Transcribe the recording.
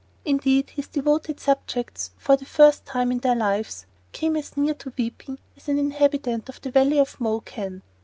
Indeed, his devoted subjects, for the first time in their lives, came as near to weeping as an inhabitant of the Valley of Mo can.